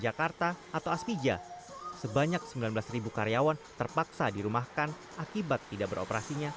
jakarta atau aspija sebanyak sembilan belas karyawan terpaksa dirumahkan akibat tidak beroperasinya